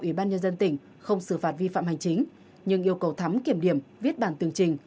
ủy ban nhân dân tỉnh không xử phạt vi phạm hành chính nhưng yêu cầu thắm kiểm điểm viết bản tường trình